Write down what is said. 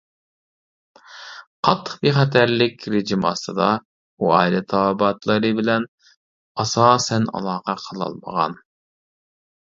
قاتتىق بىخەتەرلىك رېجىم ئاستىدا، ئۇ ئائىلە تاۋابىئاتلىرى بىلەن ئاساسەن ئالاقە قىلالمىغان.